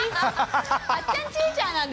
あっちゃんチーちゃんなんですね。